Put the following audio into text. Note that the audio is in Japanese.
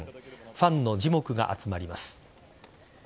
ファンの注目が集まります。